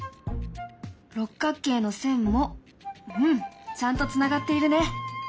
六角形の線もうんちゃんとつながっているね。